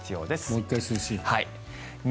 もう１回涼しいのか。